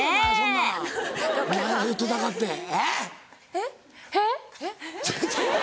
えっ？えっ？